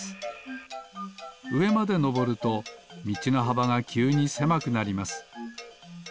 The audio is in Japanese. うえまでのぼるとみちのはばがきゅうにせまくなります。